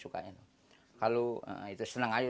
kalau itu seneng aja